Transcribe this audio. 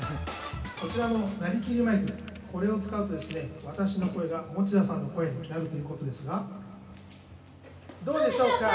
こちらのなりきりマイクを使うとですね、私の声が持田さんの声になるということですが、どうでしょうか？